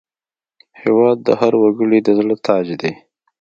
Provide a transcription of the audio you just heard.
هېواد د هر وګړي د زړه تاج دی.